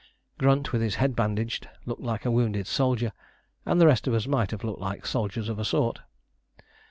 Grunt, with his head bandaged, looked like a wounded soldier, and the rest of us might have looked soldiers of a sort.